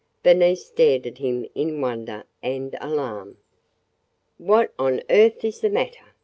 Bernice stared at him in wonder and alarm. "What on earth is the matter?"